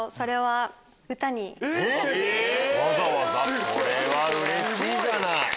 わざわざこれはうれしいじゃない。